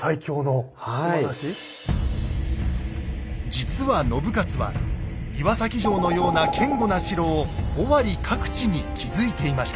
実は信雄は岩崎城のような堅固な城を尾張各地に築いていました。